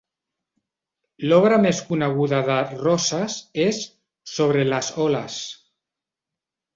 L'obra més coneguda de Rosas és "Sobre las olas".